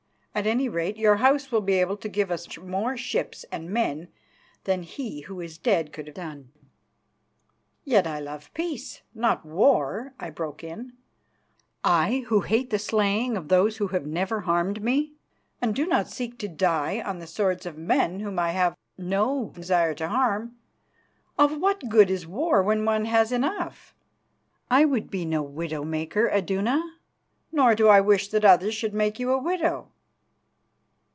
At any rate, your House will be able to give us more ships and men than he who is dead could have done." "Yet I love peace, not war," I broke in, "I who hate the slaying of those who have never harmed me, and do not seek to die on the swords of men whom I have no desire to harm. Of what good is war when one has enough? I would be no widow maker, Iduna, nor do I wish that others should make you a widow."